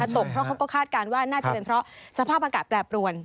ตกเพราะเขาก็คาดการณ์ว่าน่าจะเป็นเพราะสภาพอากาศแปรปรวน